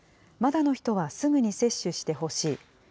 まだの人はすぐに接種してほしい。